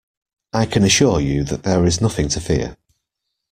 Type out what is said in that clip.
I can assure you that there is nothing to fear